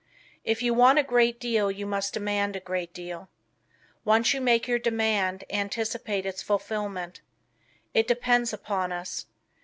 If you want a great deal you must demand a great deal. Once you make your demand, anticipate its fulfillment. It depends upon us.